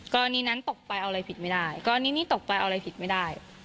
กรณีนั้นตกไปเอาอะไรผิดไม่ได้กรณีนี้ตกไปเอาอะไรผิดไม่ได้